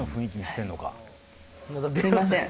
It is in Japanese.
すみません。